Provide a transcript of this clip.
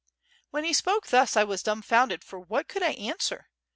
When he spoke thus 1 was dumbfounded for what could I an.^wer?